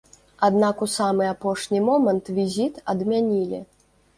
Аднак у самы апошні момант візіт адмянілі.